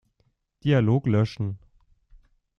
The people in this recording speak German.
Dialog löschen.